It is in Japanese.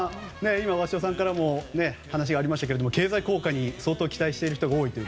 今、鷲尾さんからも話がありましたけれども経済効果に相当、期待している人が多いと。